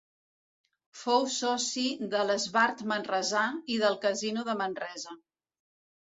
Fou soci de l'Esbart Manresà i del Casino de Manresa.